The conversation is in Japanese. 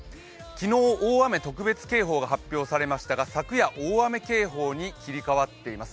昨日、大雨特別警報が発表されましたが昨夜、大雨警報に切り替わっています。